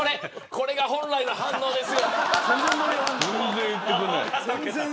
これが本来の反応です。